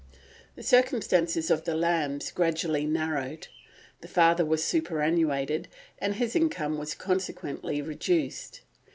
The circumstances of the Lambs gradually narrowed. The father was superannuated, and his income was consequently reduced.